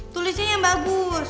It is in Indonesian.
tulisnya yang bagus